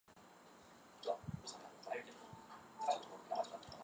在金刚界曼荼罗的九会中设有理趣会。